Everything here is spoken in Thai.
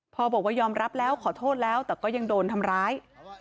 บอกว่ายอมรับแล้วขอโทษแล้วแต่ก็ยังโดนทำร้าย